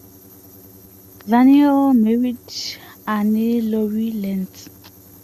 Daniell married Annie Laurie Lantz.